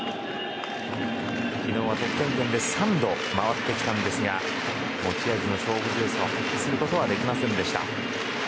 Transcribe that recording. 昨日は得点圏で３度回ってきましたが持ち味の勝負強さを発揮することはできませんでした。